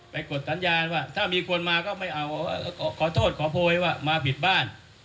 กดสัญญาณว่าถ้ามีคนมาก็ไม่เอาขอโทษขอโพยว่ามาผิดบ้าน